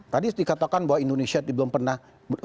tadi dikatakan bahwa indonesia belum pernah